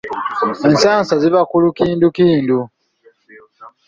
Ensansa ziva ku lukindukundu.